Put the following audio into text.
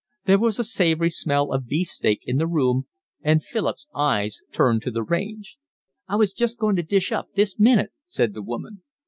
There was a savoury smell of beefsteak in the room and Philip's eyes turned to the range. "I was just going to dish up this minute," said the woman.